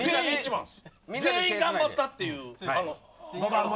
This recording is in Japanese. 全員頑張ったっていう。